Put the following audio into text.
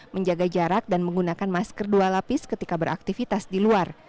menjaga jarak dan menggunakan masker dua lapis ketika beraktivitas di luar